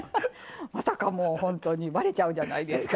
まさかもうほんとにばれちゃうじゃないですか。